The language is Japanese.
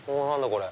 これ。